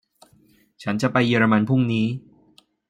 ฉันจะไปเยอรมันพรุ่งนี้